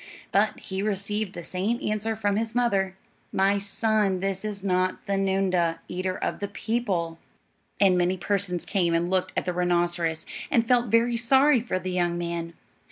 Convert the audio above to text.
But he received the same answer from his mother: "My son, this is not the noondah, eater of the people." And many persons came and looked at the rhinoceros, and felt very sorry for the young man.